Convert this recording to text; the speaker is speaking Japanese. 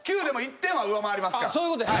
９でも１点は上回りますから。